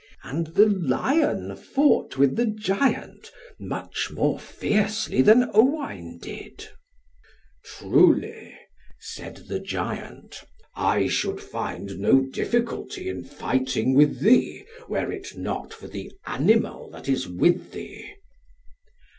And the lion fought with the giant, much more fiercely than Owain did. "Truly," said the giant, "I should find no difficulty in fighting with thee, were it not for the animal that is with thee."